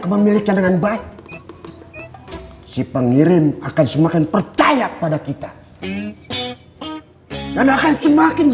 memiliki dengan baik si pengirim akan semakin percaya pada kita dan akan semakin